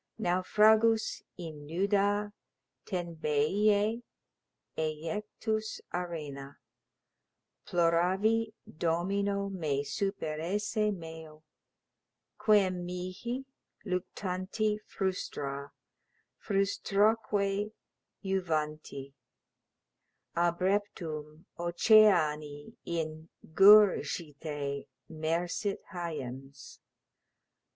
Naufragus in nuda Tenbeiæ[K] ejectus arena, Ploravi domino me superesse meo, Quem mihi, luctanti frustra, frustraque juvanti, Abreptum, oceani in gurgite mersit hyems.